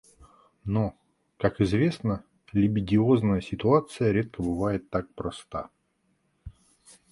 Но, как известно, либидинозная ситуация редко бывает так проста.